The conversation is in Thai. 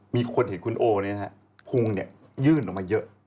มีคนเห็นคุณโอนะครับภูมิยื่นออกมาเยอะ